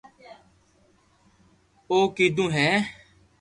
او ڪنو ھي